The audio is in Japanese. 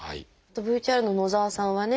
ＶＴＲの野澤さんはね